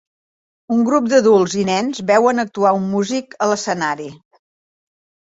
Un grup d'adults i nens veuen actuar un músic a l'escenari.